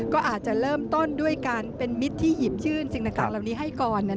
ก็อาจจะเริ่มต้นด้วยการเป็นมิตรที่หยิบชื่นสิ่งต่างเหล่านี้ให้ก่อน